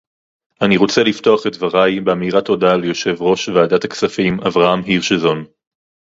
אני רוצה לפתוח את דברי באמירת תודה ליושב-ראש ועדת הכספים אברהם הירשזון